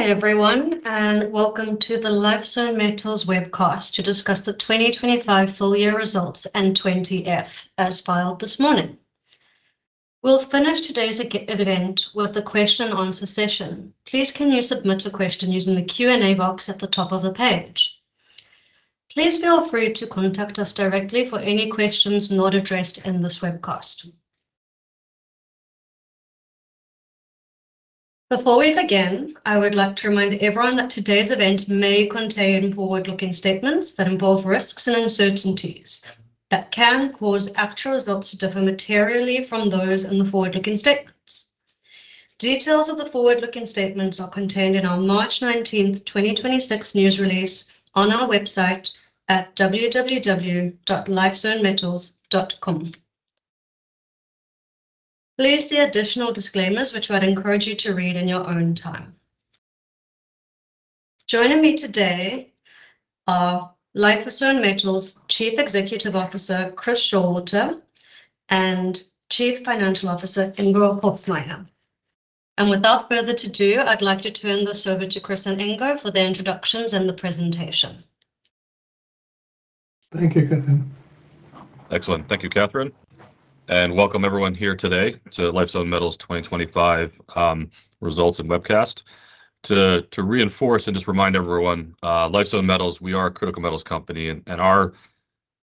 Hi, everyone, and welcome to the Lifezone Metals webcast to discuss the 2025 full year results and 20-F as filed this morning. We'll finish today's event with a question and answer session. Please can you submit a question using the Q&A box at the top of the page. Please feel free to contact us directly for any questions not addressed in this webcast. Before we begin, I would like to remind everyone that today's event may contain forward-looking statements that involve risks and uncertainties that can cause actual results to differ materially from those in the forward-looking statements. Details of the forward-looking statements are contained in our March 19, 2026 news release on our website at www.lifezonemetals.com. Please see additional disclaimers which I'd encourage you to read in your own time. Joining me today are Lifezone Metals Chief Executive Officer, Chris Showalter, and Chief Financial Officer, Ingo Hofmaier. Without further ado, I'd like to turn this over to Chris and Ingo for their introductions and the presentation. Thank you, Catherine. Excellent. Thank you, Catherine, and welcome everyone here today to Lifezone Metals 2025 results and webcast. To reinforce and just remind everyone, Lifezone Metals, we are a critical metals company and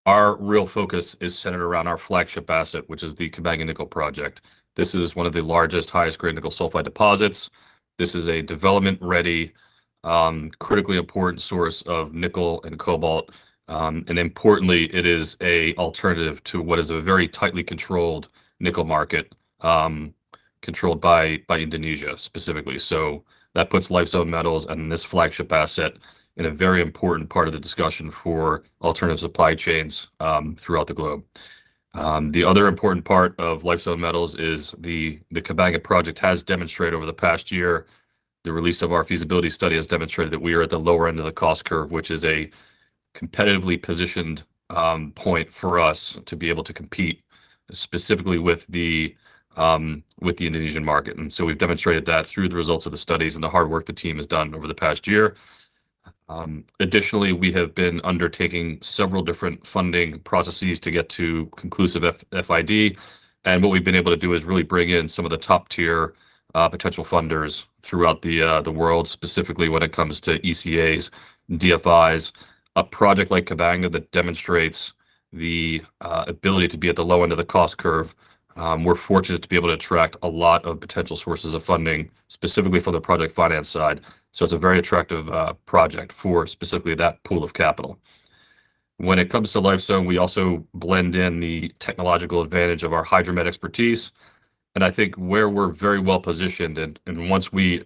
our real focus is centered around our flagship asset, which is the Kabanga Nickel Project. This is one of the largest, highest grade nickel sulfide deposits. This is a development-ready, critically important source of nickel and cobalt, and importantly, it is an alternative to what is a very tightly controlled nickel market, controlled by Indonesia specifically. That puts Lifezone Metals and this flagship asset in a very important part of the discussion for alternative supply chains throughout the globe. The other important part of Lifezone Metals is the Kabanga Project has demonstrated over the past year, the release of our feasibility study has demonstrated that we are at the lower end of the cost curve, which is a competitively positioned point for us to be able to compete specifically with the Indonesian market. We've demonstrated that through the results of the studies and the hard work the team has done over the past year. Additionally, we have been undertaking several different funding processes to get to conclusive FID. What we've been able to do is really bring in some of the top-tier potential funders throughout the world, specifically when it comes to ECAs, DFIs. A project like Kabanga that demonstrates the ability to be at the low end of the cost curve, we're fortunate to be able to attract a lot of potential sources of funding, specifically for the project finance side. It's a very attractive project for specifically that pool of capital. When it comes to Lifezone, we also blend in the technological advantage of our hydromet expertise and I think where we're very well-positioned and once we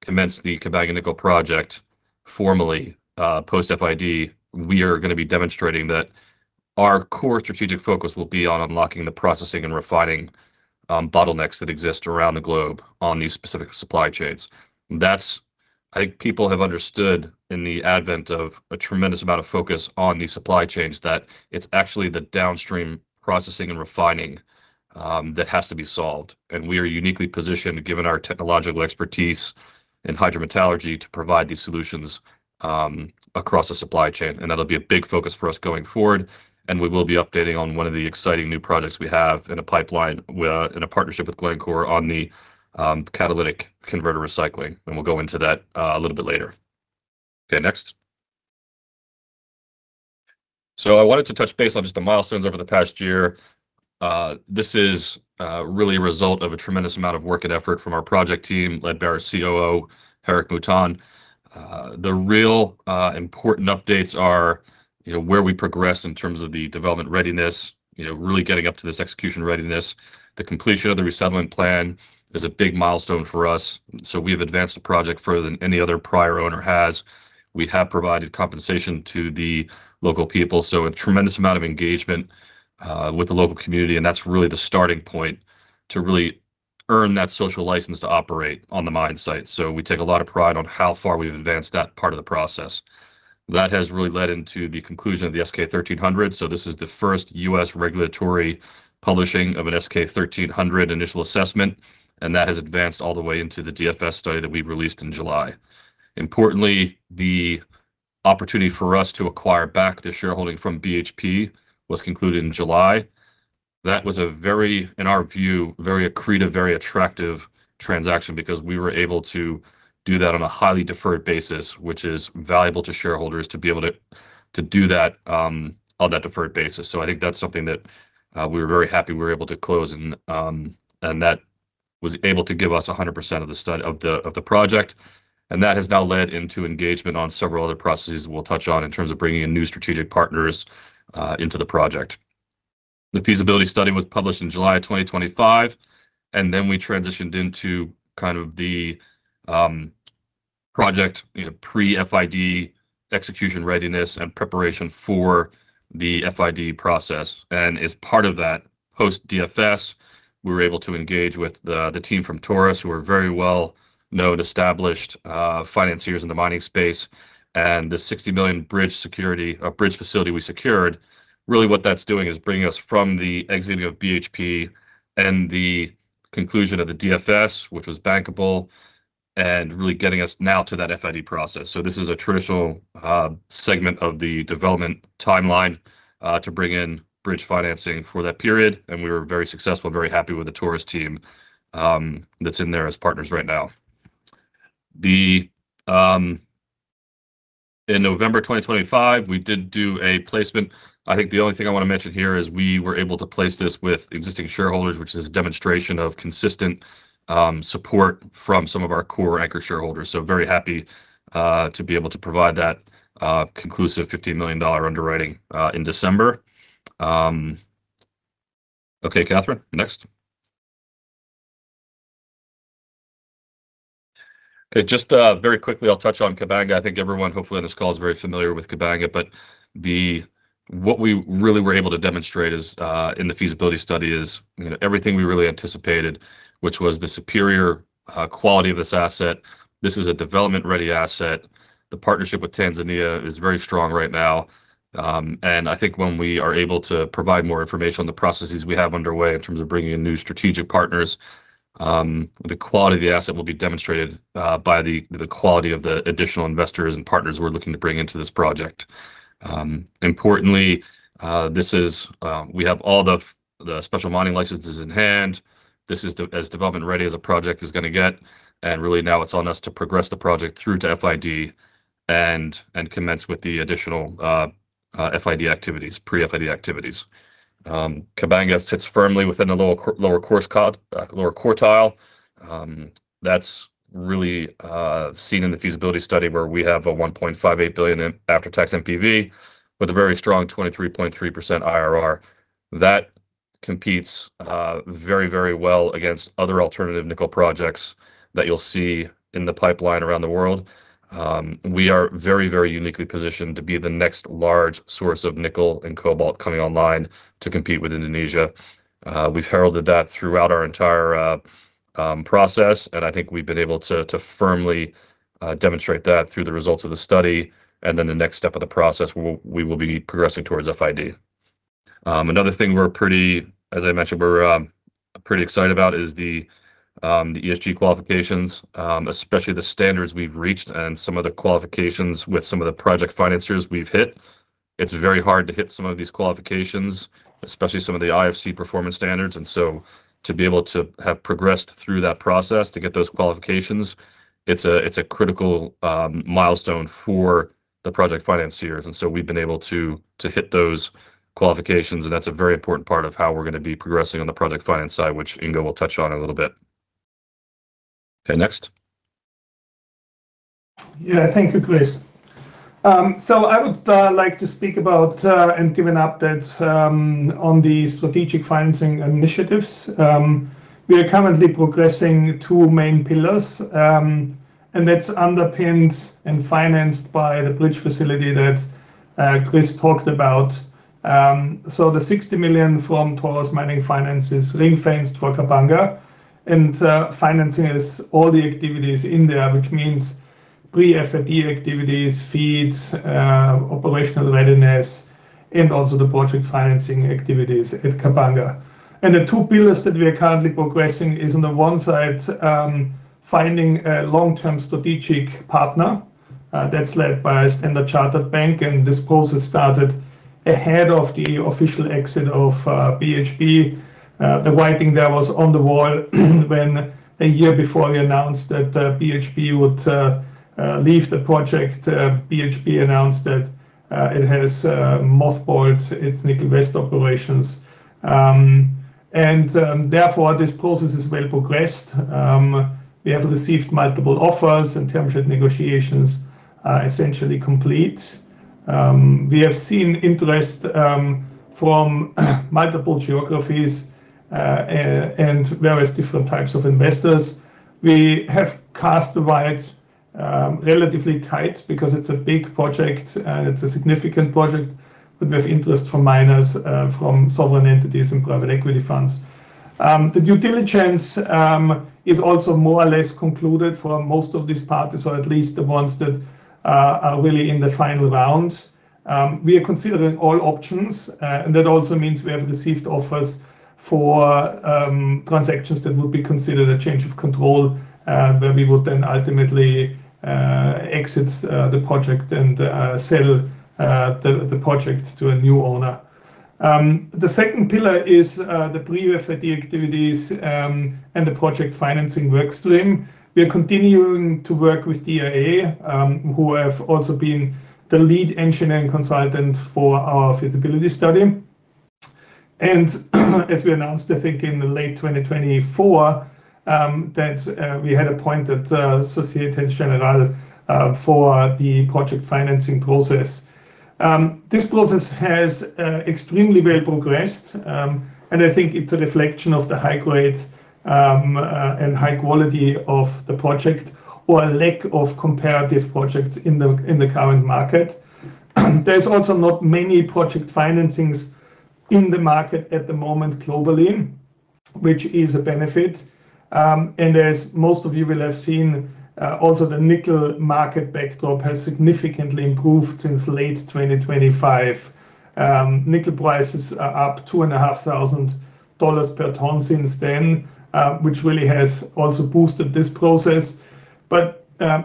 commence the Kabanga Nickel Project formally, post-FID, we are gonna be demonstrating that our core strategic focus will be on unlocking the processing and refining bottlenecks that exist around the globe on these specific supply chains. I think people have understood in the advent of a tremendous amount of focus on the supply chains that it's actually the downstream processing and refining that has to be solved. We are uniquely positioned, given our technological expertise in hydrometallurgy, to provide these solutions across the supply chain, and that'll be a big focus for us going forward. We will be updating on one of the exciting new projects we have in the pipeline with in a partnership with Glencore on the catalytic converter recycling, and we'll go into that a little bit later. Okay, next. I wanted to touch base on just the milestones over the past year. This is really a result of a tremendous amount of work and effort from our project team led by our COO, Gerick Mouton. The real important updates are, you know, where we progressed in terms of the development readiness, you know, really getting up to this execution readiness. The completion of the resettlement plan is a big milestone for us, so we have advanced the project further than any other prior owner has. We have provided compensation to the local people, so a tremendous amount of engagement with the local community, and that's really the starting point to really earn that social license to operate on the mine site. We take a lot of pride on how far we've advanced that part of the process. That has really led into the conclusion of the S-K 1300. This is the first U.S. regulatory publishing of an S-K 1300 initial assessment, and that has advanced all the way into the DFS study that we released in July. Importantly, the opportunity for us to acquire back the shareholding from BHP was concluded in July. That was a very, in our view, very accretive, very attractive transaction because we were able to do that on a highly deferred basis, which is valuable to shareholders to be able to do that on that deferred basis. I think that's something that we were very happy we were able to close and that was able to give us 100% of the project. That has now led into engagement on several other processes that we'll touch on in terms of bringing in new strategic partners into the project. The feasibility study was published in July 2025, and then we transitioned into kind of the project, you know, pre-FID execution readiness and preparation for the FID process. As part of that, post-DFS, we were able to engage with the team from Taurus, who are very well-known, established, financiers in the mining space, and the $60 million bridge facility we secured. Really what that's doing is bringing us from the exiting of BHP and the conclusion of the DFS, which was bankable. Really getting us now to that FID process. This is a traditional segment of the development timeline to bring in bridge financing for that period, and we were very successful, very happy with the Taurus team that's in there as partners right now. In November 2025, we did do a placement. I think the only thing I want to mention here is we were able to place this with existing shareholders, which is a demonstration of consistent support from some of our core anchor shareholders. Very happy to be able to provide that conclusive $50 million underwriting in December. Okay, Catherine, next. Okay, just very quickly, I'll touch on Kabanga. I think everyone hopefully on this call is very familiar with Kabanga. What we really were able to demonstrate is in the feasibility study you know everything we really anticipated, which was the superior quality of this asset. This is a development-ready asset. The partnership with Tanzania is very strong right now. I think when we are able to provide more information on the processes we have underway in terms of bringing in new strategic partners, the quality of the asset will be demonstrated by the quality of the additional investors and partners we're looking to bring into this project. Importantly, this is, we have all the special mining licenses in hand. This is as development-ready as a project is gonna get. Really now it's on us to progress the project through to FID and commence with the additional FID activities, pre-FID activities. Kabanga sits firmly within the lower quartile. That's really seen in the feasibility study where we have a $1.58 billion after-tax NPV with a very strong 23.3% IRR. That competes very well against other alternative nickel projects that you'll see in the pipeline around the world. We are very uniquely positioned to be the next large source of nickel and cobalt coming online to compete with Indonesia. We've heralded that throughout our entire process, and I think we've been able to to firmly demonstrate that through the results of the study. Then the next step of the process, we will be progressing towards FID. Another thing, as I mentioned, we're pretty excited about is the ESG qualifications, especially the standards we've reached and some of the qualifications with some of the project financiers we've hit. It's very hard to hit some of these qualifications, especially some of the IFC performance standards. To be able to have progressed through that process to get those qualifications, it's a critical milestone for the project financiers. We've been able to hit those qualifications, and that's a very important part of how we're gonna be progressing on the project finance side, which Ingo will touch on a little bit. Okay, next. Yeah. Thank you, Chris. I would like to speak about and give an update on the strategic financing initiatives. We are currently progressing two main pillars, and that's underpinned and financed by the bridge facility that Chris talked about. The $60 million from Taurus Mining Finance is ring-fenced for Kabanga and finances all the activities in there, which means pre-FID activities, FIDs, operational readiness, and also the project financing activities at Kabanga. The two pillars that we are currently progressing is on the one side, finding a long-term strategic partner, that's led by Standard Chartered Bank. This process started ahead of the official exit of BHP, the writing that was on the wall when a year before we announced that BHP would leave the project. BHP announced that it has mothballed its Nickel West operations. Therefore, this process is well progressed. We have received multiple offers, and term sheet negotiations are essentially complete. We have seen interest from multiple geographies and various different types of investors. We have cast the net relatively tight because it's a big project and it's a significant project with interest from miners from sovereign entities and private equity funds. The due diligence is also more or less concluded for most of these parties or at least the ones that are really in the final round. We are considering all options. That also means we have received offers for transactions that would be considered a change of control, where we would then ultimately exit the project and sell the project to a new owner. The second pillar is the pre-FID activities and the project financing workstream. We are continuing to work with DRA, who have also been the lead engineering consultant for our feasibility study. As we announced, I think in late 2024, that we had appointed Société Générale for the project financing process. This process has extremely well progressed. I think it's a reflection of the high grades and high quality of the project or a lack of comparative projects in the current market. There's also not many project financings in the market at the moment globally, which is a benefit. As most of you will have seen, also the nickel market backdrop has significantly improved since late 2025. Nickel prices are up $2,500 per ton since then, which really has also boosted this process.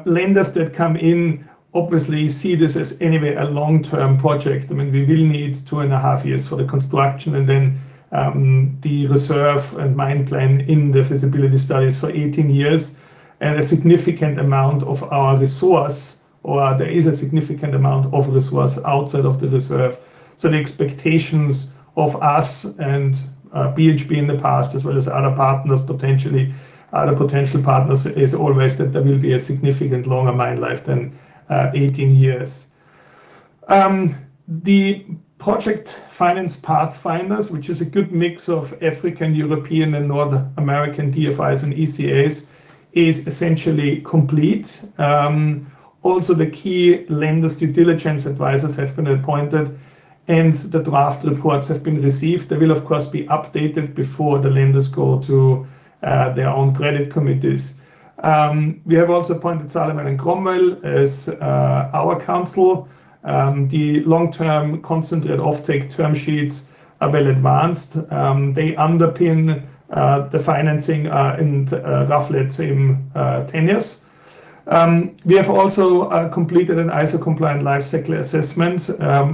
Lenders that come in obviously see this as anyway a long-term project. I mean, we really need 2.5 years for the construction and then, the reserve and mine plan in the feasibility studies for 18 years. There is a significant amount of resource outside of the reserve. The expectations of us and BHP in the past, as well as other partners, potentially other potential partners, is always that there will be a significant longer mine life than 18 years. The project finance pathfinders, which is a good mix of African, European, and North American DFIs and ECAs, is essentially complete. Also the key lenders' due diligence advisors have been appointed, and the draft reports have been received. They will, of course, be updated before the lenders go to their own credit committees. We have also appointed Sullivan & Cromwell as our counsel. The long-term concentrate offtake term sheets are well advanced. They underpin the financing in roughly let's say in 10 years. We have also completed an ISO compliant life cycle assessment,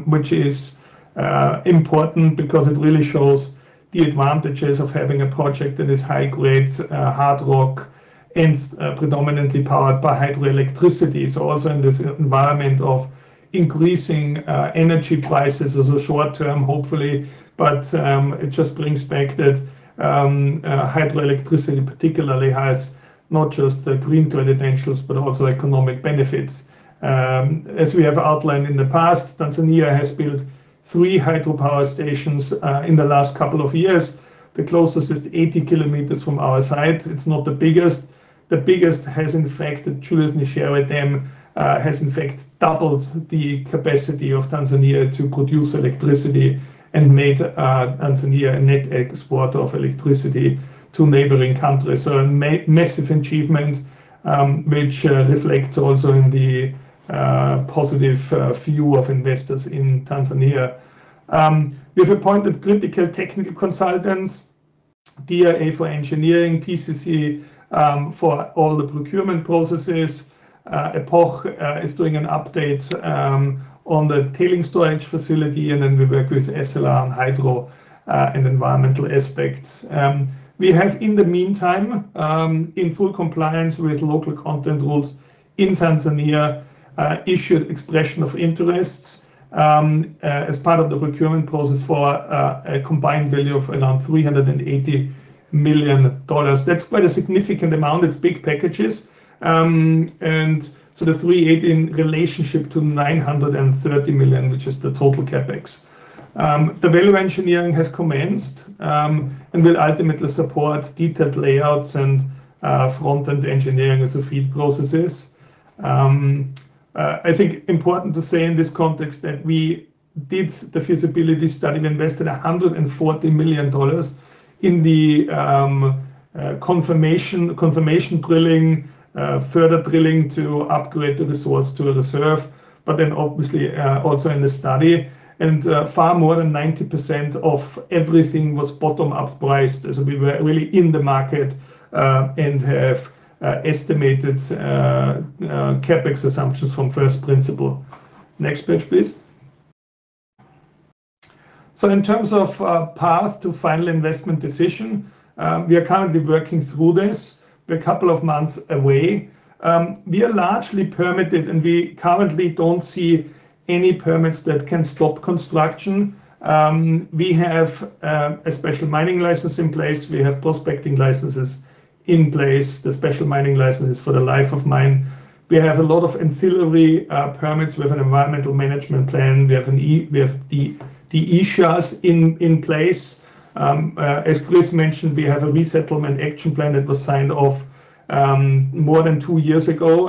which is important because it really shows the advantages of having a project that is high grades, hard rock, and predominantly powered by hydroelectricity. Also in this environment of increasing energy prices as a short term, hopefully, but it just brings back that hydroelectricity particularly has not just the green credentials, but also economic benefits. As we have outlined in the past, Tanzania has built three hydropower stations in the last couple of years. The closest is 80 km from our site. It's not the biggest. The biggest, the Julius Nyerere Dam, has in fact doubled the capacity of Tanzania to produce electricity and made Tanzania a net exporter of electricity to neighboring countries. A massive achievement, which reflects also in the positive view of investors in Tanzania. We have appointed critical technical consultants, DRA for engineering, PCC for all the procurement processes. Epoch is doing an update on the tailings storage facility, and then we work with SLR on hydro and environmental aspects. We have in the meantime, in full compliance with local content rules in Tanzania, issued expressions of interest as part of the procurement process for a combined value of around $380 million. That's quite a significant amount. It's big packages. The $380 million in relationship to $930 million, which is the total CapEx. The value engineering has commenced and will ultimately support detailed layouts and front-end engineering as the feed processes. I think important to say in this context that we did the feasibility study and invested $140 million in the confirmation drilling, further drilling to upgrade the resource to a reserve, but then obviously also in the study. Far more than 90% of everything was bottom-up priced as we were really in the market and have estimated CapEx assumptions from first principles. Next page, please. In terms of path to final investment decision, we are currently working through this. We're a couple of months away. We are largely permitted, and we currently don't see any permits that can stop construction. We have a special mining license in place. We have prospecting licenses in place, the special mining licenses for the life of mine. We have a lot of ancillary permits. We have an environmental management plan. We have the ESIAs in place. As Chris mentioned, we have a resettlement action plan that was signed off more than two years ago.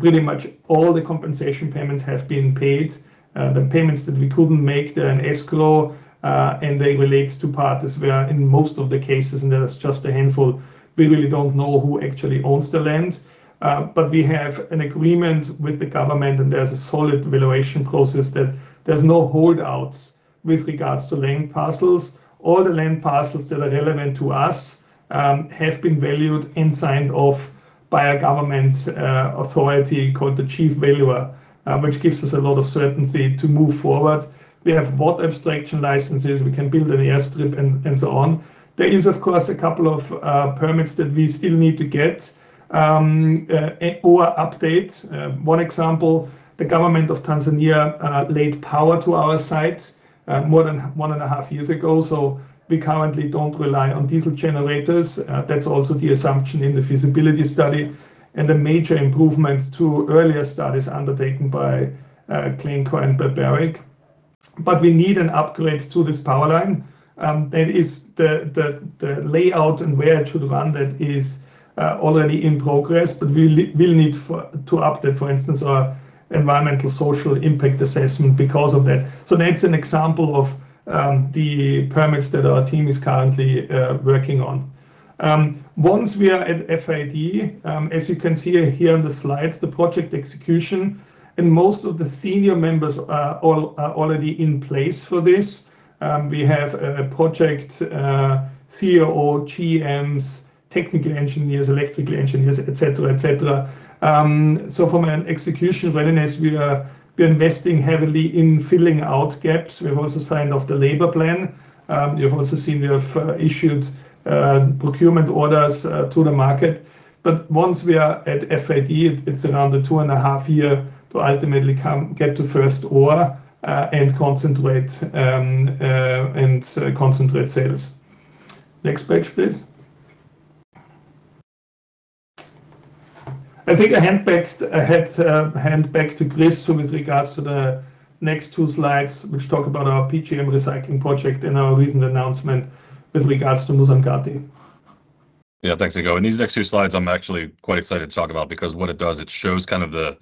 Pretty much all the compensation payments have been paid. The payments that we couldn't make, they're in escrow, and they relate to parties where in most of the cases, and there is just a handful, we really don't know who actually owns the land. But we have an agreement with the government, and there's a solid valuation process that there's no holdouts with regards to land parcels. All the land parcels that are relevant to us have been valued and signed off by a government authority called the Chief Valuer, which gives us a lot of certainty to move forward. We have water abstraction licenses, we can build an airstrip and so on. There is, of course, a couple of permits that we still need to get or update. One example, the government of Tanzania laid power to our site more than 1.5 years ago, so we currently don't rely on diesel generators. That's also the assumption in the feasibility study and a major improvement to earlier studies undertaken by Glencore and Barrick. We need an upgrade to this power line that is the layout and where it should run that is already in progress. We'll need to update, for instance, our environmental social impact assessment because of that. That's an example of the permits that our team is currently working on. Once we are at FID, as you can see here in the slides, the project execution and most of the senior members are already in place for this. We have a project COO, GMs, technical engineers, electrical engineers, et cetera. From an execution readiness, we're investing heavily in filling out gaps. We have also signed off the labor plan. You have also seen we have issued procurement orders to the market. Once we are at FID, it's around a 2.5-year to ultimately get to first ore and concentrate sales. Next page, please. I think I hand back to Chris with regards to the next two slides, which talk about our PGM recycling project and our recent announcement with regards to Musongati. Yeah. Thanks, Ingo. These next two slides I'm actually quite excited to talk about because what it does, it shows kind of the,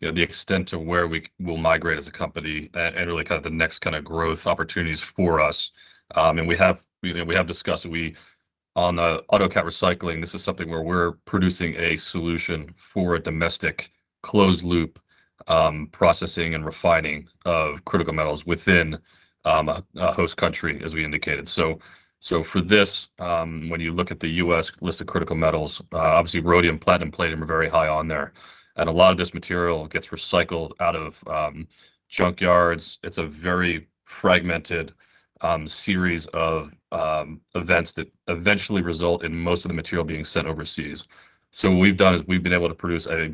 you know, the extent to where we will migrate as a company and really kind of the next kind of growth opportunities for us. We have, you know, we have discussed on the autocat recycling, this is something where we're producing a solution for a domestic closed loop, processing and refining of critical metals within a host country, as we indicated. For this, when you look at the U.S. list of critical metals, obviously rhodium, platinum are very high on there, and a lot of this material gets recycled out of junkyards. It's a very fragmented series of events that eventually result in most of the material being sent overseas. What we've done is we've been able to produce a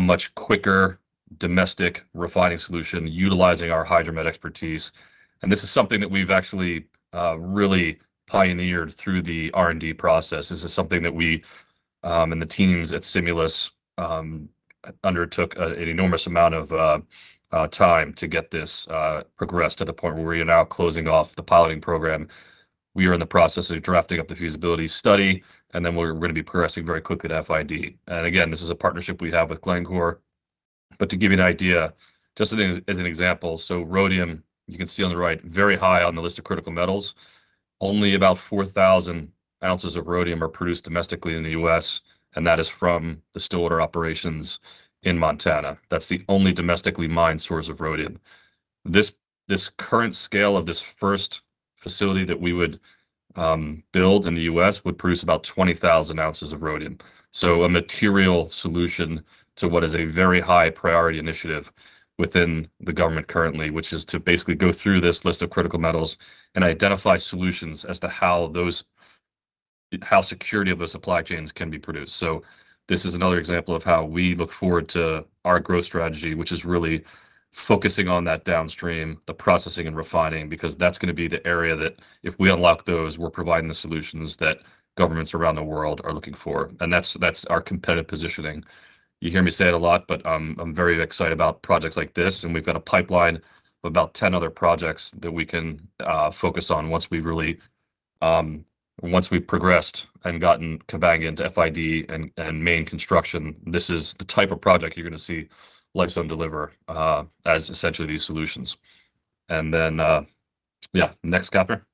much quicker domestic refining solution utilizing our hydromet expertise. This is something that we've actually really pioneered through the R&D process. This is something that we and the teams at Simulus undertook an enormous amount of time to get this progressed to the point where we are now closing off the piloting program. We are in the process of drafting up the feasibility study, and then we're going to be progressing very quickly to FID. Again, this is a partnership we have with Glencore. To give you an idea, just as an example. Rhodium, you can see on the right, very high on the list of critical metals. Only about 4,000 oz of rhodium are produced domestically in the U.S., and that is from the Stillwater operations in Montana. That's the only domestically mined source of rhodium. This current scale of this first facility that we would build in the U.S. would produce about 20,000 oz of rhodium. A material solution to what is a very high priority initiative within the government currently, which is to basically go through this list of critical metals and identify solutions as to how security of those supply chains can be produced. This is another example of how we look forward to our growth strategy, which is really focusing on that downstream, the processing and refining, because that's going to be the area that if we unlock those, we're providing the solutions that governments around the world are looking for, and that's our competitive positioning. You hear me say it a lot, but I'm very excited about projects like this, and we've got a pipeline of about 10 other projects that we can focus on once we've progressed and gotten Kabanga into FID and main construction. This is the type of project you're going to see Lifezone deliver as essentially these solutions. Next chapter.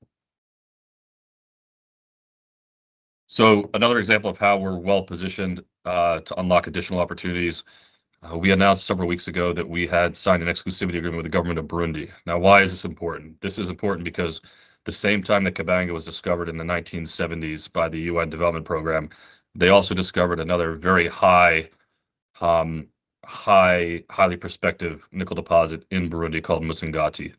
This is another example of how we're well-positioned to unlock additional opportunities. We announced several weeks ago that we had signed an exclusivity agreement with the government of Burundi. Now, why is this important? This is important because the same time that Kabanga was discovered in the 1970s by the United Nations Development Programme, they also discovered another very high, highly prospective nickel deposit in Burundi called Musongati.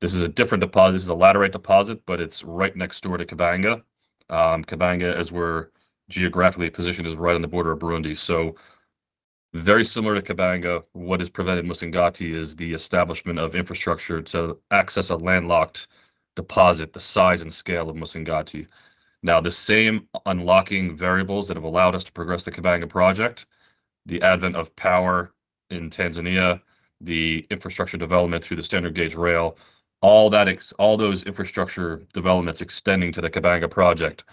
This is a different deposit. This is a laterite deposit, but it's right next door to Kabanga. Kabanga as we're geographically positioned, is right on the border of Burundi. Very similar to Kabanga, what has prevented Musongati is the establishment of infrastructure to access a landlocked deposit the size and scale of Musongati. Now, the same unlocking variables that have allowed us to progress the Kabanga project, the advent of power in Tanzania, the infrastructure development through the standard gauge rail, all those infrastructure developments extending to the Kabanga project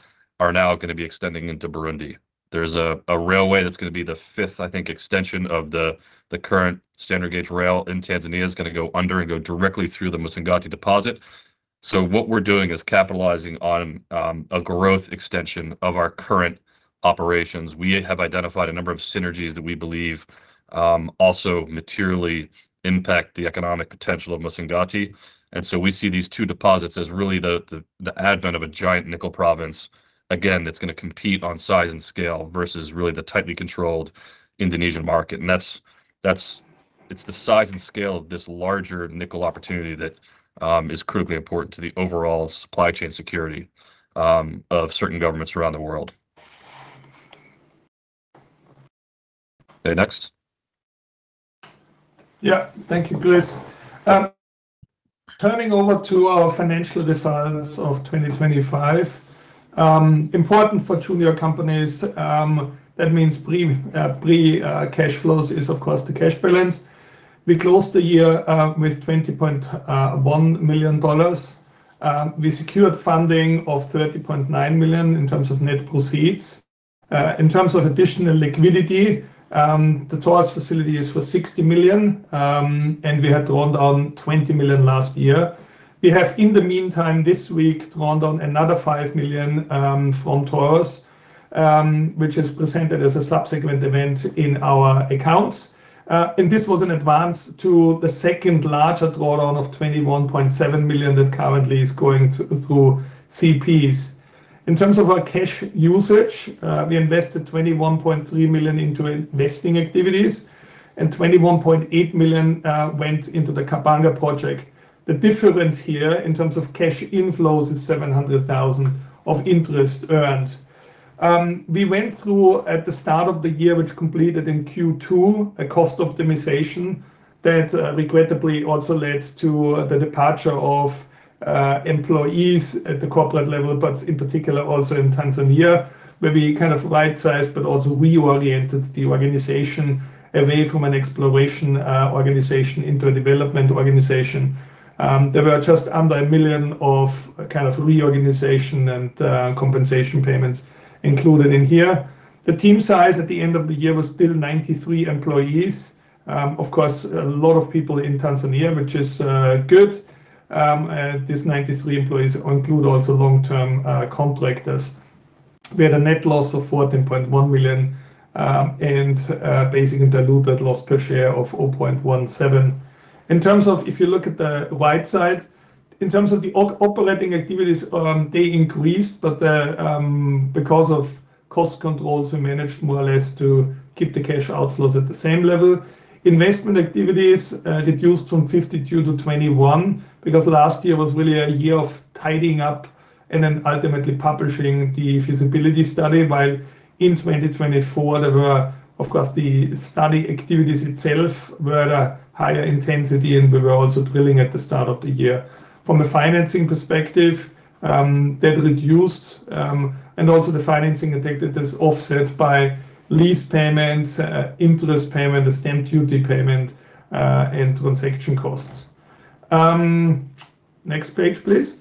are now going to be extending into Burundi. There's a railway that's going to be the fifth, I think, extension of the current standard gauge rail in Tanzania. It's going to go under and go directly through the Musongati deposit. So what we're doing is capitalizing on a growth extension of our current operations. We have identified a number of synergies that we believe also materially impact the economic potential of Musongati. We see these two deposits as really the advent of a giant nickel province. Again, that's going to compete on size and scale versus really the tightly controlled Indonesian market. That's the size and scale of this larger nickel opportunity that is critically important to the overall supply chain security of certain governments around the world. Okay, next. Yeah. Thank you, Chris. Turning to our financial results of 2025. Important for junior companies, that means pre-cash flows is, of course, the cash balance. We closed the year with $20.1 million. We secured funding of $30.9 million in terms of net proceeds. In terms of additional liquidity, the Taurus facility is for $60 million, and we had drawn down $20 million last year. We have, in the meantime, this week, drawn down another $5 million from Taurus, which is presented as a subsequent event in our accounts. This was an advance to the second larger draw down of $21.7 million that currently is going through CPs. In terms of our cash usage, we invested $21.3 million into investing activities and $21.8 million went into the Kabanga project. The difference here in terms of cash inflows is $700,000 of interest earned. We went through at the start of the year, which completed in Q2, a cost optimization that regrettably also led to the departure of employees at the corporate level, but in particular also in Tanzania, where we kind of right-sized but also reoriented the organization away from an exploration organization into a development organization. There were just under $1 million of kind of reorganization and compensation payments included in here. The team size at the end of the year was still 93 employees. Of course, a lot of people in Tanzania, which is good. These 93 employees include also long-term contractors. We had a net loss of $14.1 million and basically diluted loss per share of $0.17. In terms of if you look at the upside, in terms of the operating activities, they increased, but because of cost controls, we managed more or less to keep the cash outflows at the same level. Investment activities reduced from $52 million to $21 million because last year was really a year of tidying up and then ultimately publishing the feasibility study. While in 2024, there were, of course, the study activities itself were at a higher intensity, and we were also drilling at the start of the year. From a financing perspective, that reduced, and also the financing activities offset by lease payments, interest payment, the stamp duty payment, and transaction costs. Next page, please.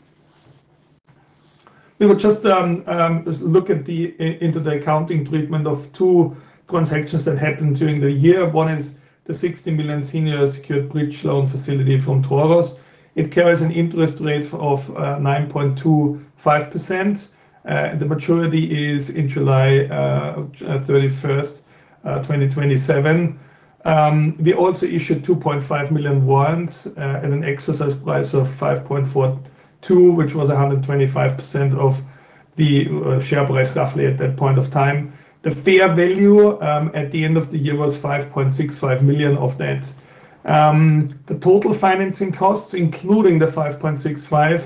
We will just look into the accounting treatment of two transactions that happened during the year. One is the $60 million senior secured bridge loan facility from Taurus. It carries an interest rate of 9.25%. The maturity is in July 31st, 2027. We also issued 2.5 million warrants at an exercise price of $5.42, which was 125% of the share price roughly at that point of time. The fair value at the end of the year was $5.65 million of that. The total financing costs, including the 5.65%,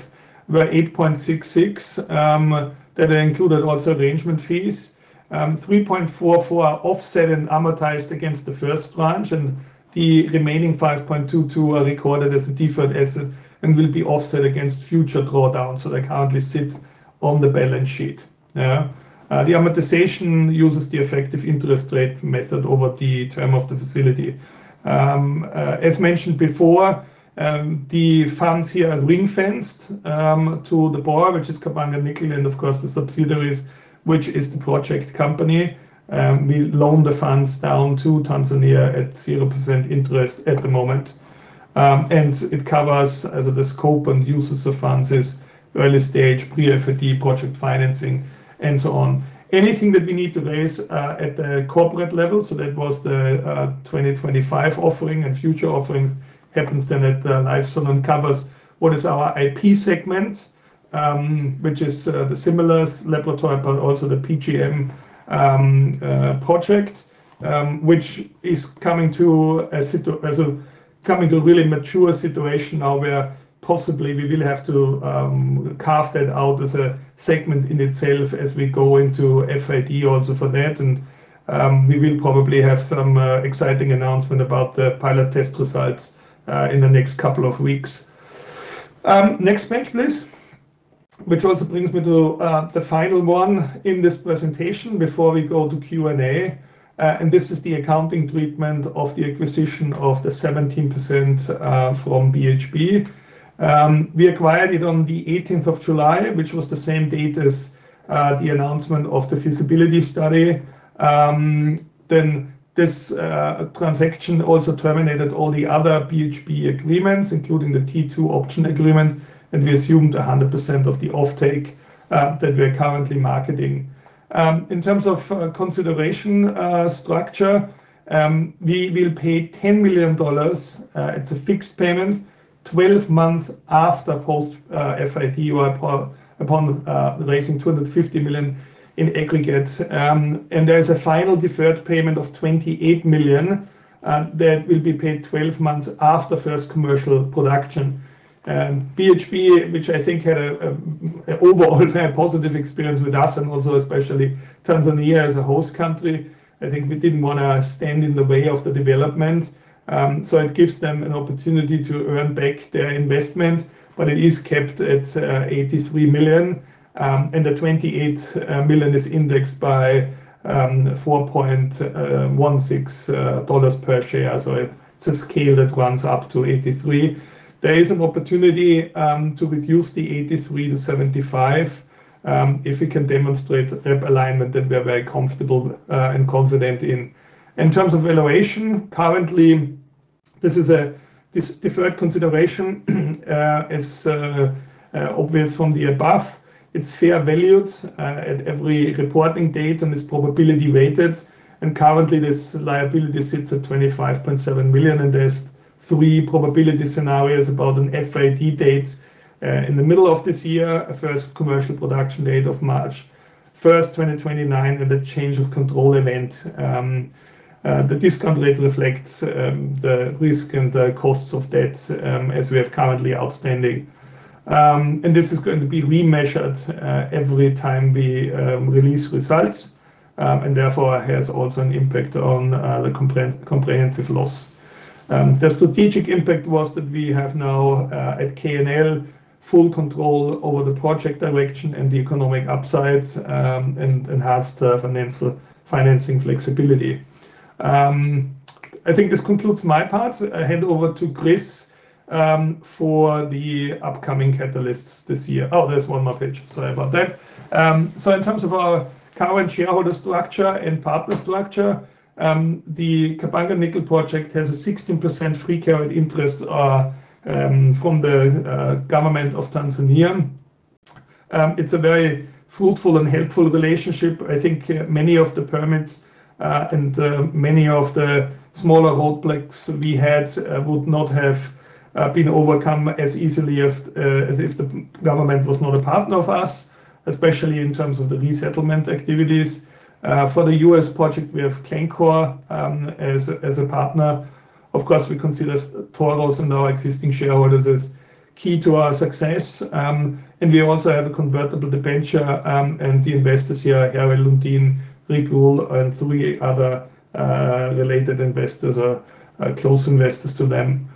were 8.66%. That included also arrangement fees. 3.44% are offset and amortized against the first tranche, and the remaining 5.22% are recorded as a deferred asset and will be offset against future drawdowns, so they currently sit on the balance sheet. The amortization uses the effective interest rate method over the term of the facility. As mentioned before, the funds here are ring-fenced to the borrower, which is Kabanga Nickel and of course the subsidiaries, which is the project company. We loan the funds down to Tanzania at 0% interest at the moment. It covers as the scope and uses of funds is early stage pre-FID project financing and so on. Anything that we need to raise at the corporate level, so that was the 2025 offering and future offerings happens then at the Lifezone covers what is our IP segment, which is the Simulus laboratory but also the PGM project, which is coming to a really mature situation now where possibly we will have to carve that out as a segment in itself as we go into FID also for that. We will probably have some exciting announcement about the pilot test results in the next couple of weeks. Next page, please. Which also brings me to the final one in this presentation before we go to Q&A. This is the accounting treatment of the acquisition of the 17% from BHP. We acquired it on the eighteenth of July, which was the same date as the announcement of the feasibility study. This transaction also terminated all the other BHP agreements, including the T2 option agreement, and we assumed 100% of the offtake that we're currently marketing. In terms of consideration structure, we will pay $10 million. It's a fixed payment 12 months after post-FID upon raising $250 million in aggregate. There's a final deferred payment of $28 million that will be paid 12 months after first commercial production. BHP, which I think had an overall positive experience with us and also especially Tanzania as a host country, I think we didn't wanna stand in the way of the development. It gives them an opportunity to earn back their investment, but it is kept at $83 million, and the $28 million is indexed by $4.16 per share. It's a scale that runs up to 83. There is an opportunity to reduce the 83 to 75 if we can demonstrate the rep alignment that we are very comfortable and confident in. In terms of valuation, currently this deferred consideration is obvious from the above. It's fair valued at every reporting date, and is probability weighted. Currently this liability sits at $25.7 million, and there's three probability scenarios about an FID date in the middle of this year, a first commercial production date of March 1st, 2029, and a change of control event. The discount rate reflects the risk and the costs of debts as we have currently outstanding. This is going to be remeasured every time we release results and therefore has also an impact on the comprehensive loss. The strategic impact was that we have now at KNL full control over the project direction and the economic upsides and enhanced financing flexibility. I think this concludes my part. I hand over to Chris for the upcoming catalysts this year. Oh, there's one more page. Sorry about that. In terms of our current shareholder structure and partner structure, the Kabanga Nickel Project has a 16% free carried interest from the government of Tanzania. It's a very fruitful and helpful relationship. I think many of the permits and many of the smaller holdups we had would not have been overcome as easily as if the government was not a partner of us, especially in terms of the resettlement activities. For our project, we have Glencore as a partner. Of course, we consider Taurus and our existing shareholders as key to our success. We also have a convertible debenture and the investors here, Harry Lundin, Rigel, and three other related investors or close investors to them.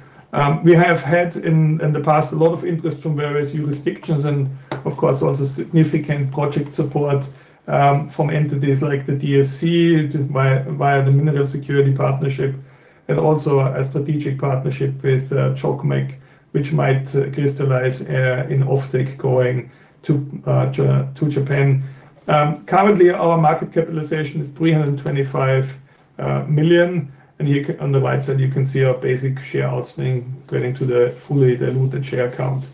We have had in the past a lot of interest from various jurisdictions and of course also significant project support from entities like the DFC via the Minerals Security Partnership, and also a strategic partnership with JOGMEC, which might crystallize in offtake going to Japan. Currently our market capitalization is $325 million. On the right side, you can see our basic shares outstanding going to the fully diluted share count.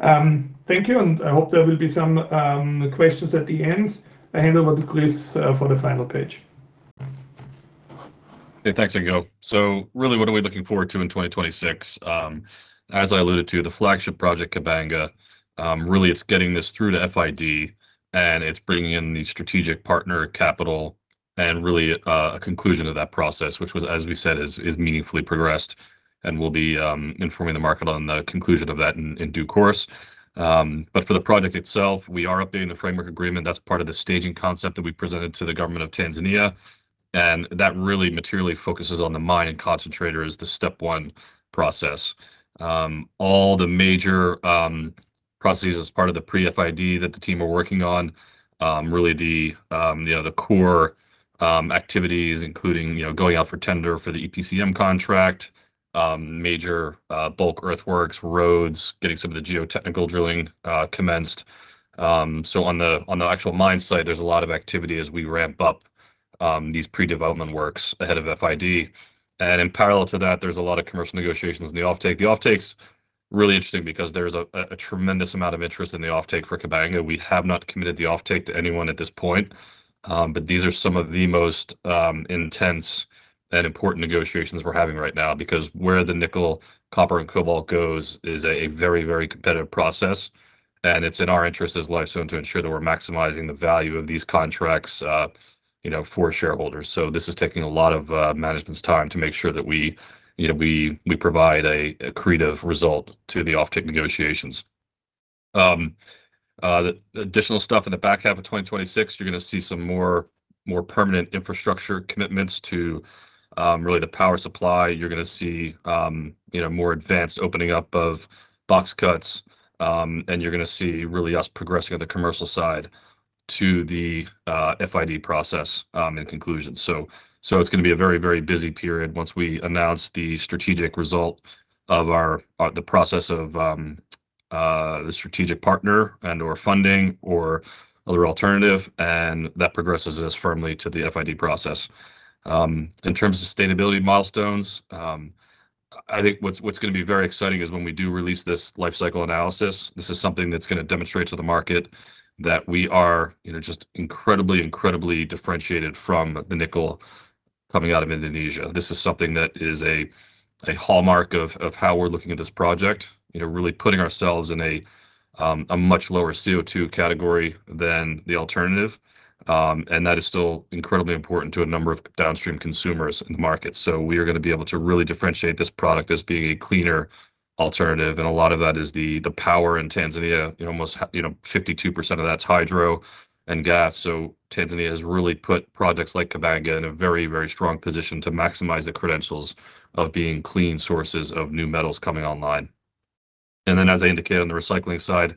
Thank you, and I hope there will be some questions at the end. I hand over to Chris for the final page. Hey, thanks Ingo. Really, what are we looking forward to in 2026? As I alluded to, the flagship project, Kabanga, really it's getting this through to FID, and it's bringing in the strategic partner capital and really, a conclusion of that process, which was, as we said, is meaningfully progressed and we'll be informing the market on the conclusion of that in due course. For the project itself, we are updating the framework agreement. That's part of the staging concept that we presented to the government of Tanzania, and that really materially focuses on the mine and concentrator as the step one process. All the major processes as part of the pre-FID that the team are working on, really the, you know, the core activities including, you know, going out for tender for the EPCM contract, major, bulk earthworks, roads, getting some of the geotechnical drilling, commenced. On the actual mine site, there's a lot of activity as we ramp up, these pre-development works ahead of FID. In parallel to that, there's a lot of commercial negotiations in the offtake. The offtake's really interesting because there's a tremendous amount of interest in the offtake for Kabanga. We have not committed the offtake to anyone at this point. These are some of the most intense and important negotiations we're having right now because where the nickel, copper, and cobalt goes is a very, very competitive process, and it's in our interest as Lifezone to ensure that we're maximizing the value of these contracts, you know, for shareholders. This is taking a lot of management's time to make sure that we, you know, we provide a creative result to the offtake negotiations. The additional stuff in the back half of 2026, you're gonna see some more permanent infrastructure commitments to really the power supply. You're gonna see, you know, more advanced opening up of box cuts, and you're gonna see really us progressing on the commercial side to the FID process, in conclusion. It's gonna be a very busy period once we announce the process of the strategic partner and/or funding or other alternative, and that progresses us firmly to the FID process. In terms of sustainability milestones, I think what's gonna be very exciting is when we do release this lifecycle analysis. This is something that's gonna demonstrate to the market that we are, you know, just incredibly differentiated from the nickel coming out of Indonesia. This is something that is a hallmark of how we're looking at this project. You know, really putting ourselves in a much lower CO₂ category than the alternative. That is still incredibly important to a number of downstream consumers and markets. We are gonna be able to really differentiate this product as being a cleaner alternative, and a lot of that is the power in Tanzania. You know, almost you know, 52% of that's hydro and gas. Tanzania has really put projects like Kabanga in a very, very strong position to maximize the credentials of being clean sources of new metals coming online. As I indicated on the recycling side,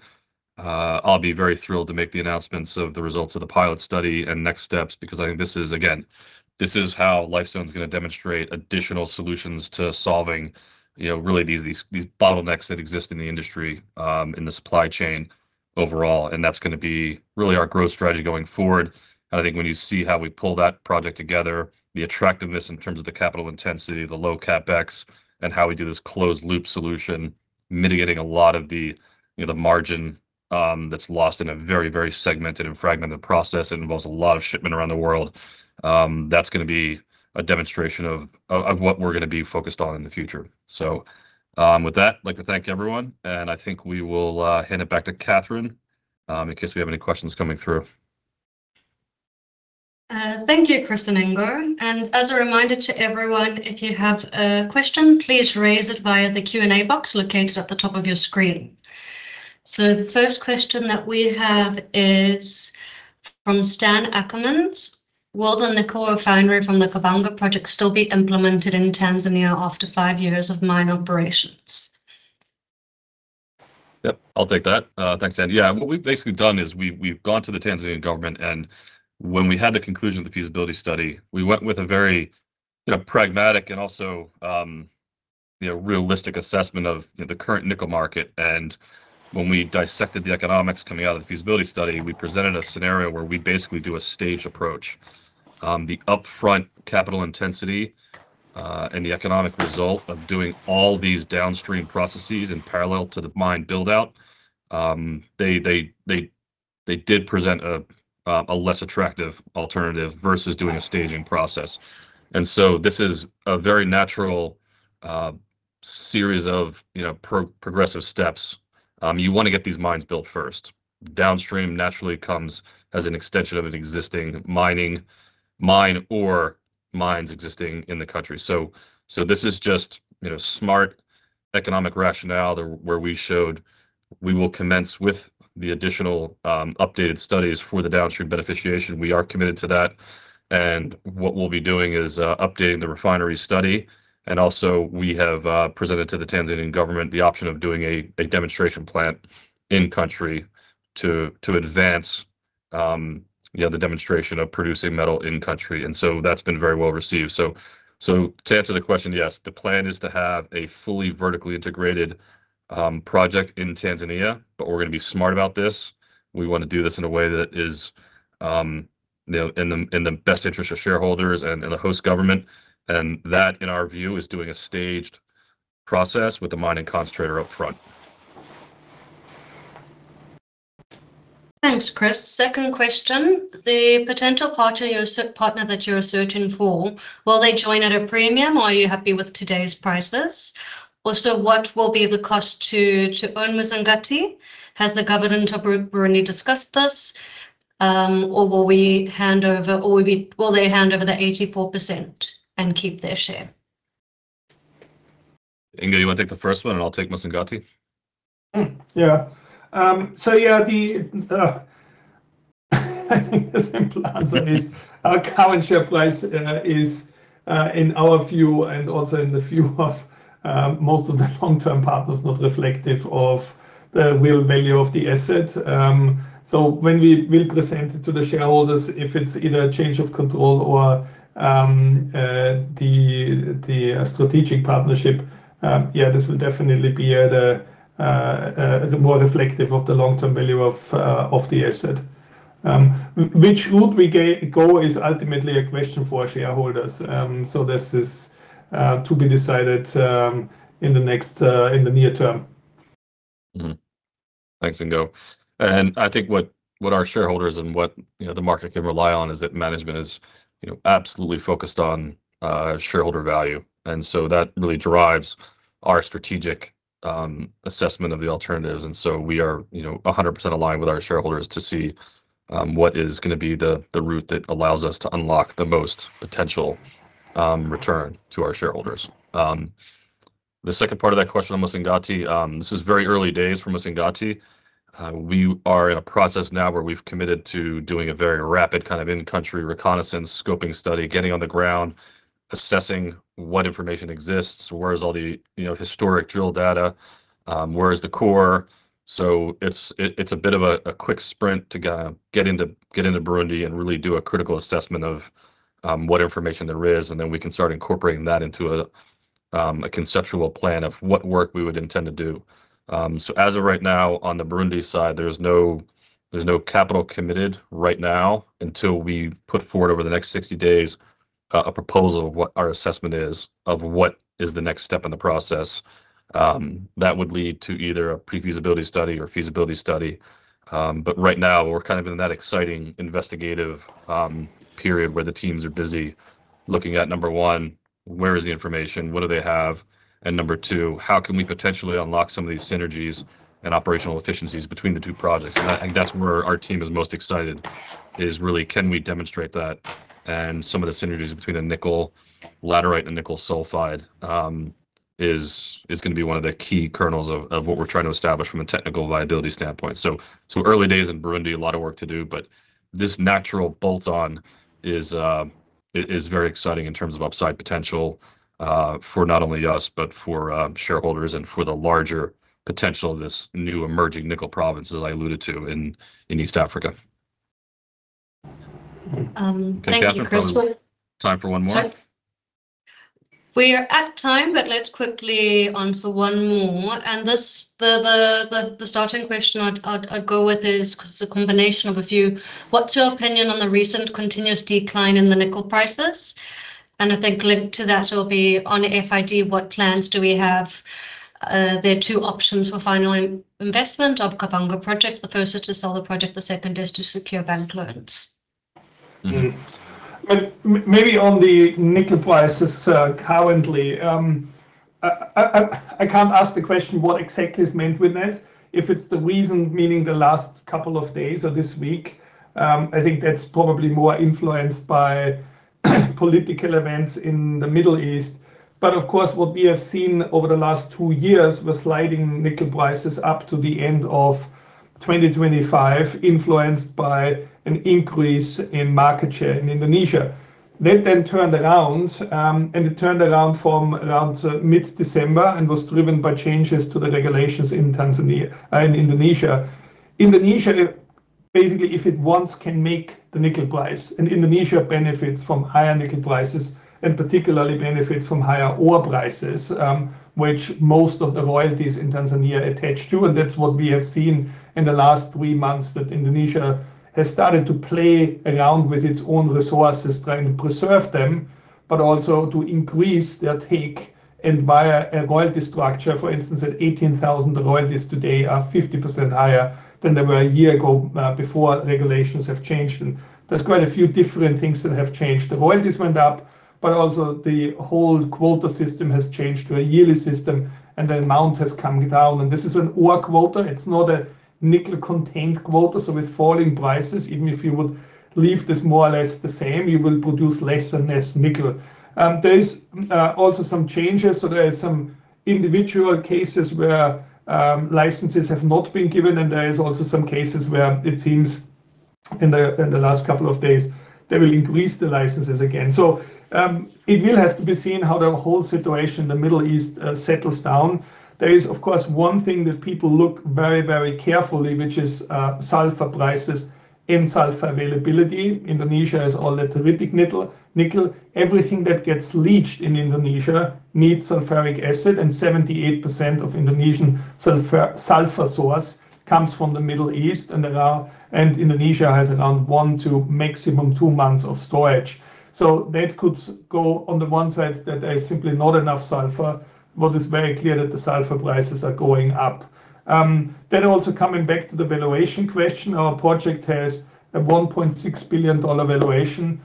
I'll be very thrilled to make the announcements of the results of the pilot study and next steps because I think this is again, this is how Lifezone's gonna demonstrate additional solutions to solving, you know, really these bottlenecks that exist in the industry, in the supply chain overall, and that's gonna be really our growth strategy going forward. I think when you see how we pull that project together, the attractiveness in terms of the capital intensity, the low CapEx, and how we do this closed loop solution, mitigating a lot of the, you know, the margin that's lost in a very, very segmented and fragmented process, it involves a lot of shipment around the world, that's gonna be a demonstration of what we're gonna be focused on in the future. With that, I'd like to thank everyone, and I think we will hand it back to Catherine, in case we have any questions coming through. Thank you, Chris and Ingo. As a reminder to everyone, if you have a question, please raise it via the Q&A box located at the top of your screen. The first question that we have is from Stan Ackermans. Will the nickel refinery from the Kabanga Project still be implemented in Tanzania after five years of mine operations? Yep, I'll take that. Thanks, Stan. Yeah. What we've basically done is we've gone to the Tanzanian government, and when we had the conclusion of the feasibility study, we went with a very, you know, pragmatic and also, you know, realistic assessment of, you know, the current nickel market. When we dissected the economics coming out of the feasibility study, we presented a scenario where we basically do a stage approach. The upfront capital intensity and the economic result of doing all these downstream processes in parallel to the mine build-out, they did present a less attractive alternative versus doing a staging process. This is a very natural series of, you know, progressive steps. You wanna get these mines built first. Downstream naturally comes as an extension of an existing mining mine or mines existing in the country. This is just, you know, smart economic rationale where we showed we will commence with the additional, updated studies for the downstream beneficiation. We are committed to that, and what we'll be doing is, updating the refinery study, and also we have, presented to the Tanzanian government the option of doing a demonstration plant in country to, advance, you know, the demonstration of producing metal in country. That's been very well-received. To answer the question, yes, the plan is to have a fully vertically integrated, project in Tanzania, but we're gonna be smart about this. We wanna do this in a way that is, you know, in the best interest of shareholders and in the host government. That, in our view, is doing a staged process with the mine and concentrator up front. Thanks, Chris. Second question: The potential partner that you're searching for, will they join at a premium, or are you happy with today's prices? Also, what will be the cost to own Musongati? Has the government of Burundi discussed this, or will they hand over the 84% and keep their share? Ingo, you wanna take the first one, and I'll take Musongati? Yeah, I think the simple answer is our current share price is in our view and also in the view of most of the long-term partners not reflective of the real value of the asset. When we will present it to the shareholders, if it's either a change of control or the strategic partnership, yeah, this will definitely be at a more reflective of the long-term value of the asset. Which route we go is ultimately a question for shareholders. This is to be decided in the near term. Mm-hmm. Thanks, Ingo. I think what our shareholders and, you know, what the market can rely on is that management is, you know, absolutely focused on shareholder value. That really drives our strategic assessment of the alternatives. We are, you know, 100% aligned with our shareholders to see what is gonna be the route that allows us to unlock the most potential return to our shareholders. The second part of that question on Musongati, this is very early days for Musongati. We are in a process now where we've committed to doing a very rapid kind of in-country reconnaissance scoping study, getting on the ground, assessing what information exists, where is all the, you know, historic drill data, where is the core. It's a bit of a quick sprint to go get into Burundi and really do a critical assessment of what information there is, and then we can start incorporating that into a conceptual plan of what work we would intend to do. As of right now, on the Burundi side, there's no capital committed right now until we've put forward over the next 60 days a proposal of what our assessment is of what is the next step in the process that would lead to either a pre-feasibility study or feasibility study. Right now we're kind of in that exciting investigative period where the teams are busy looking at, number one, where is the information? What do they have? Number two, how can we potentially unlock some of these synergies and operational efficiencies between the two projects? I think that's where our team is most excited, is really can we demonstrate that and some of the synergies between a nickel laterite and a nickel sulfide, is gonna be one of the key kernels of what we're trying to establish from a technical viability standpoint. Early days in Burundi, a lot of work to do, but this natural bolt-on is very exciting in terms of upside potential, for not only us, but for shareholders and for the larger potential of this new emerging nickel province as I alluded to in East Africa. Thank you, Chris. Catherine, probably time for one more. We are at time, but let's quickly answer one more. This, the starting question I'd go with is it's a combination of a few. What's your opinion on the recent continuous decline in the nickel prices? I think linked to that will be on FID, what plans do we have? There are two options for final investment of Kabanga Nickel Project. The first is to sell the project, the second is to secure bank loans. Mm-hmm. Maybe on the nickel prices, currently, I can't answer the question what exactly is meant with that. If it's the recent, meaning the last couple of days or this week, I think that's probably more influenced by political events in the Middle East. Of course what we have seen over the last two years was sliding nickel prices up to the end of 2025 influenced by an increase in market share in Indonesia. That then turned around, and it turned around from around mid-December and was driven by changes to the regulations in Tanzania, in Indonesia. Indonesia basically if it wants can make the nickel price, and Indonesia benefits from higher nickel prices, and particularly benefits from higher ore prices, which most of the royalties in Tanzania attach to, and that's what we have seen in the last three months, that Indonesia has started to play around with its own resources, trying to preserve them, but also to increase their take and via a royalty structure, for instance at 18,000, the royalties today are 50% higher than they were a year ago, before regulations have changed. There's quite a few different things that have changed. The royalties went up, but also the whole quota system has changed to a yearly system, and the amount has come down. This is an ore quota, it's not a nickel contained quota, so with falling prices even if you would leave this more or less the same, you will produce less and less nickel. There's also some changes, so there is some individual cases where licenses have not been given and there is also some cases where it seems in the, in the last couple of days they will increase the licenses again. It will have to be seen how the whole situation in the Middle East settles down. There is of course one thing that people look very, very carefully, which is sulfur prices and sulfur availability. Indonesia has all laterite nickel. Everything that gets leached in Indonesia needs sulfuric acid, and 78% of Indonesian sulfur source comes from the Middle East and there are. Indonesia has around one to maximum two months of storage. That could go on the one side that there is simply not enough sulfur, but it's very clear that the sulfur prices are going up. Also coming back to the valuation question, our project has a $1.6 billion valuation.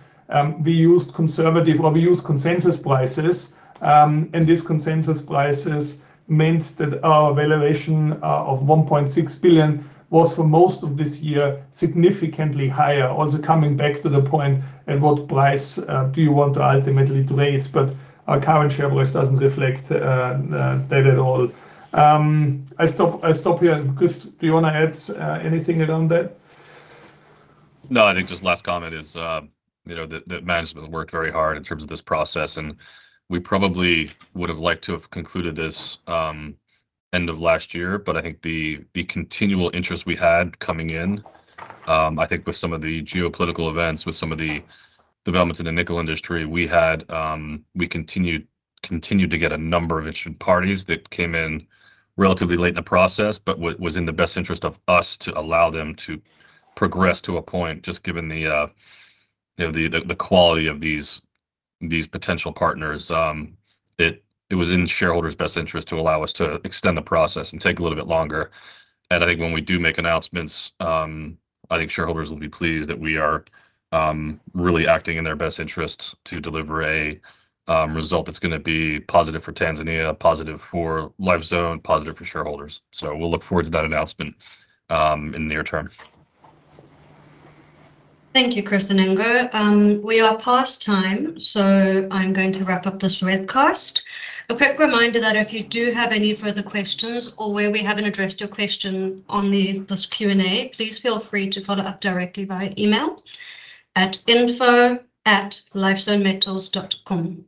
We used conservative, or we used consensus prices, and this consensus prices means that our valuation of $1.6 billion was for most of this year significantly higher. Also coming back to the point at what price do you want to ultimately delay it, but our current share price doesn't reflect that at all. I stop here. Chris, do you want to add anything around that? No, I think just last comment is, you know, the management worked very hard in terms of this process, and we probably would have liked to have concluded this, end of last year, but I think the continual interest we had coming in, I think with some of the geopolitical events, with some of the developments in the nickel industry, we had, we continued to get a number of interested parties that came in relatively late in the process, but was in the best interest of us to allow them to progress to a point just given the, you know, the quality of these potential partners. It was in shareholders' best interest to allow us to extend the process and take a little bit longer. I think when we do make announcements, I think shareholders will be pleased that we are really acting in their best interests to deliver a result that's gonna be positive for Tanzania, positive for Lifezone, positive for shareholders. We'll look forward to that announcement in the near term. Thank you, Chris and Ingo. We are past time, so I'm going to wrap up this webcast. A quick reminder that if you do have any further questions or where we haven't addressed your question on this Q&A, please feel free to follow up directly via email at info@lifezonemetals.com.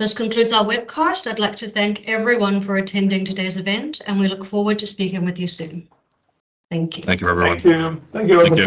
This concludes our webcast. I'd like to thank everyone for attending today's event, and we look forward to speaking with you soon. Thank you. Thank you, everyone. Thank you. Thank you, everyone. Thank you.